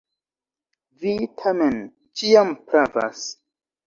Vi, tamen, ĉiam pravas.